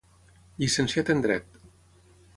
Llicenciat en Dret.